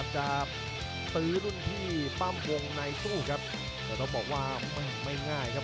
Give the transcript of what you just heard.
แต่ต้องบอกว่าไม่ง่ายครับ